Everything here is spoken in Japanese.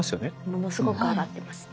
ものすごく上がってますね。